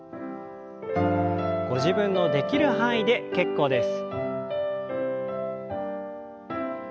ご自分のできる範囲で結構です。